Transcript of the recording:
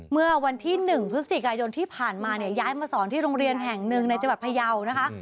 เมื่อวันที่๑พฤศจิกายนที่ผ่านมาเนี่ยย้ายมาสอนที่โรงเรียนแห่งหนึ่งในจังหวัดพยาวนะคะ